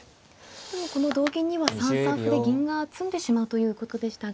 でもこの同銀には３三歩で銀が詰んでしまうということでしたが。